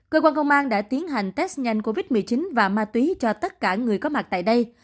cơ quan công an đã tiến hành test nhanh covid một mươi chín và ma túy cho tất cả người có mặt tại đây